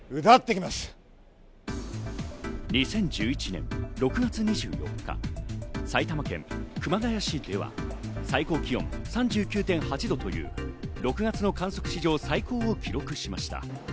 ２０１１年６月２４日、埼玉県熊谷市では、最高気温３９．８度という６月の観測史上最高を記録しました。